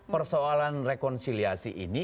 persoalan rekonsiliasi ini